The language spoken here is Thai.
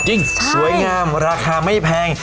จริงสวยงามราคาไม่แพง